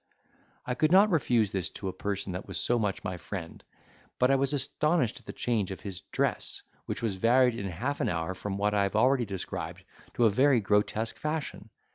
I could not refuse this to a person that was so much my friend; but I was astonished at the change of his dress which was varied in half an hour from what I have already described to a very grotesque fashion.